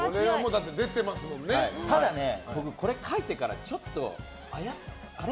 ただ僕、これ書いてからちょっと、あれ？